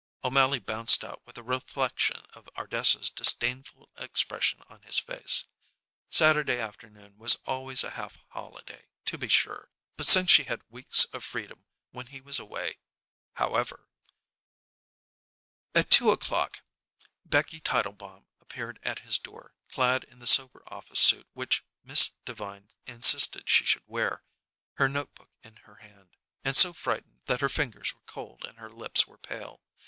O'Mally bounced out with a reflection of Ardessa's disdainful expression on his face. Saturday afternoon was always a half holiday, to be sure, but since she had weeks of freedom when he was away However At two o'clock Becky Tietelbaum appeared at his door, clad in the sober office suit which Miss Devine insisted she should wear, her note book in her hand, and so frightened that her fingers were cold and her lips were pale.